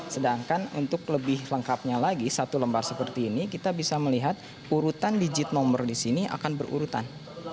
sedangkan untuk lebih lengkapnya lagi satu lembar seperti ini kita bisa melihat urutan digit nomor di sini akan berurutan